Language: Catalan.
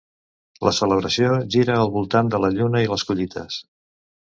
La celebració gira al voltant de la Lluna i les collites.